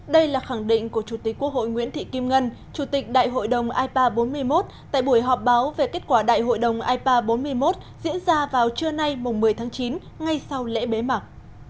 đây là khẳng định của chủ tịch quốc hội nguyễn thị kim ngân chủ tịch đại hội đồng ipa bốn mươi một tại buổi họp báo về kết quả đại hội đồng ipa bốn mươi một diễn ra vào trưa nay một mươi tháng chín ngay sau lễ bế mạc